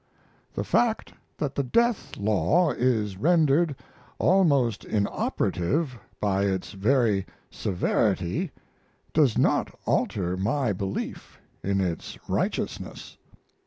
The fact that the death law is rendered almost inoperative by its very severity does not alter my belief in its righteousness.